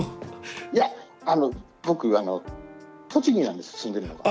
いや僕栃木なんです住んでるのが。